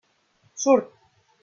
Surt!